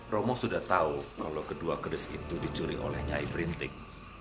romo sudah tahu kalau kedua kedis itu dicuri oleh nyai printik